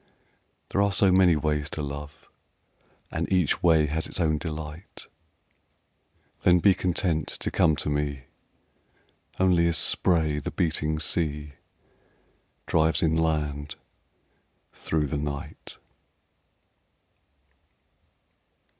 There are so many ways to love And each way has its own delight Then be content to come to me Only as spray the beating sea Drives inland through the night.